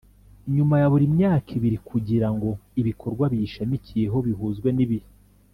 nyuma ya buri myaka ibiri kugirango n'ibikorwa biyishamikiyeho bihuzwe n'ibihe.